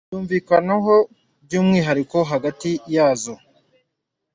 byakumvikanwaho by umwihariko hagati yazo